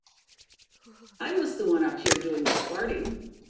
I was the one up there doing the farting.